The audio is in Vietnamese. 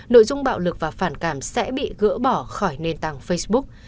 nội dung bạo lực và phản cảm sẽ bị gỡ bỏ khỏi nền tảng facebook